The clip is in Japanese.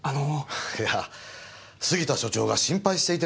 いや杉田署長が心配していてね。